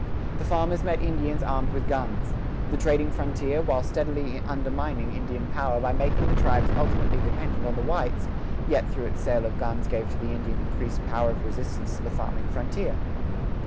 The farmers met Indians armed with guns. The trading frontier, while steadily undermining Indian power by making the tribes ultimately dependent on the whites, yet, through its sale of guns, gave to the Indian increased power of resistance to the farming frontier.